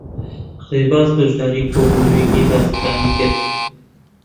ڕێباز بەشداریی کۆبوونەوەیەکی بازرگانیی کرد.